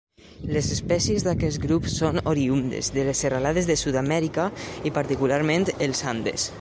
Les espècies d'aquest grup són oriündes de les serralades de Sud-amèrica i, particularment, els Andes.